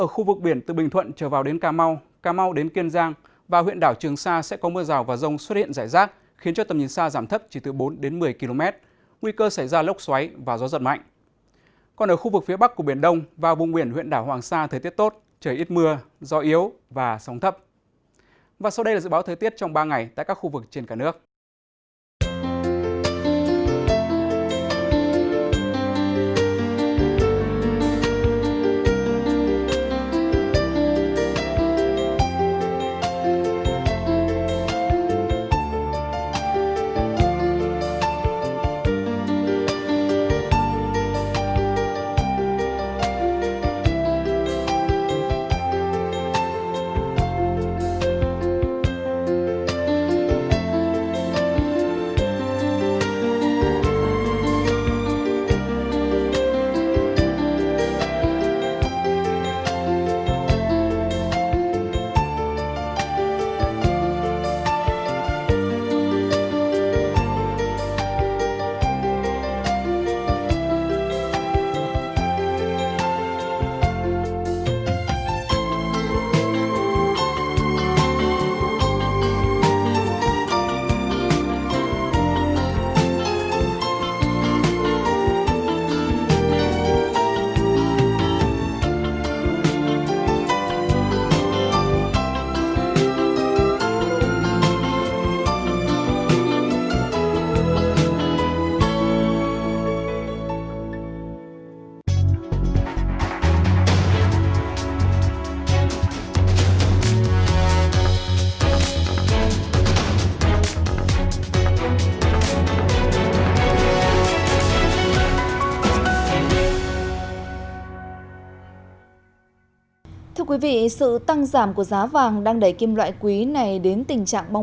kết thúc tháng tám thị trường xăng dầu thế giới được đánh giá có dấu hiệu phục hồi khi dầu thô chuẩn mỹ wti tăng năm tám tăng tháng thứ bốn liên tiếp